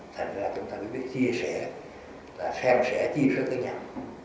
thành ra chúng ta mới biết chia sẻ là xem sẽ chia sẻ với nhau